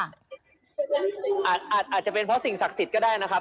อาจจะเป็นเพราะสิ่งศักดิ์สิทธิ์ก็ได้นะครับ